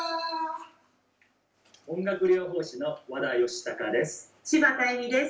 音楽療法士の和田義孝です。